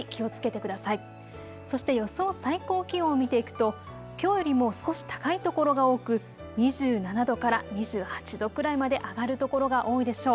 最高気温を見ていくときょうよりも少し高い所が多く２７度から２８度くらいまで上がる所が多いでしょう。